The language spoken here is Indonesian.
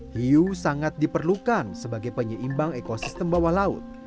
hiu sangat diperlukan sebagai penyeimbang ekosistem bawah laut